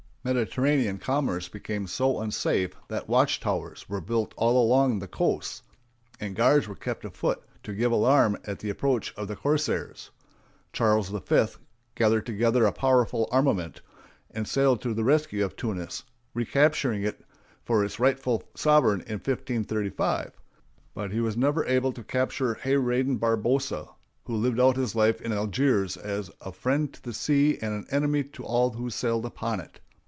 Mediterranean commerce became so unsafe that watch towers were built all along the coasts, and guards were kept afoot to give alarm at the approach of the corsairs. Charles V gathered together a powerful armament, and sailed to the rescue of Tunis, recapturing it for its rightful sovereign in 1535; but he was never able to capture Hayradin Barbarossa, who lived out his life in Algiers as "a friend to the sea and an enemy to all who sailed upon it."